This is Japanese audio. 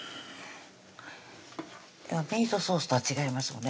でもミートソースとは違いますもんね